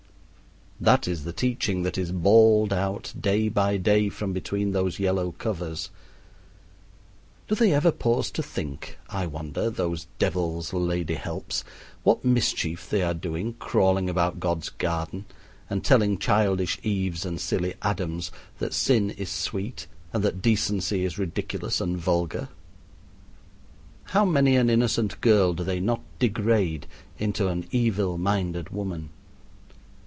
That is the teaching that is bawled out day by day from between those yellow covers. Do they ever pause to think, I wonder, those devil's ladyhelps, what mischief they are doing crawling about God's garden, and telling childish Eves and silly Adams that sin is sweet and that decency is ridiculous and vulgar? How many an innocent girl do they not degrade into an evil minded woman?